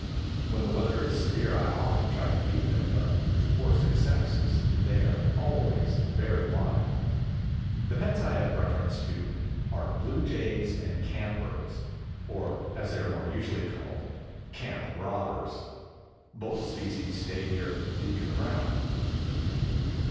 When the weather is severe I often try to feed them, but with poor success, as they are always very wild. The pets I have reference to are bluejays and campbirds, or as they are more usually called, camp robbers. Both species stay here the year around.